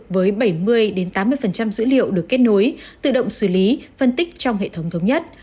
với bảy mươi tám mươi dữ liệu được kết nối tự động xử lý phân tích trong hệ thống thống nhất